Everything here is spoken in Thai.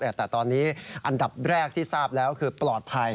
แต่ตอนนี้อันดับแรกที่ทราบแล้วคือปลอดภัย